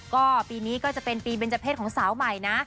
ก็ปีนี้ก็จะเป็นปีเบนเจอร์เพศของสาวใหม่นะ